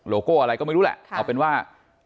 โก้อะไรก็ไม่รู้แหละเอาเป็นว่า